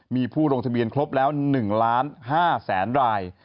มีผู้ลงทะเบียนครบแล้ว๑๕๐๐๐ราย